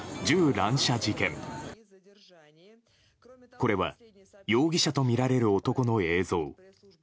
これは、容疑者とみられる男の映像。